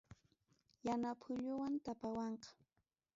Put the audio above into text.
Yana puyullam tapawanqa.